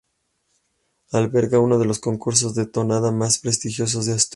Alberga uno de los concursos de tonada más prestigiosos de Asturias.